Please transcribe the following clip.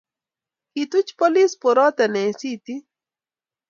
kituch polis boroto eng sitii